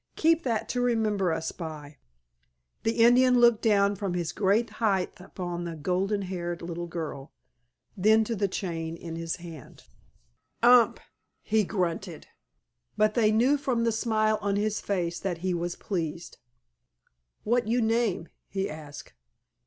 Keep that to remember us by." [Illustration: "KEEP IT; YOU WERE GOOD AND SAVED US."] The Indian looked down from his great height upon the golden haired little girl, then to the chain in his hand. "Umph!" he grunted, but they knew from the smile on his face that he was pleased. "What you name?" he asked.